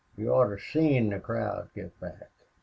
You oughter seen the crowd get back.